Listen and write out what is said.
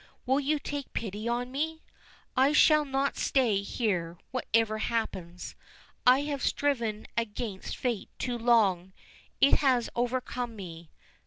Will you take pity on me? I shall not stay here, whatever happens; I have striven against fate too long it has overcome me.